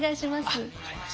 あっ分かりました。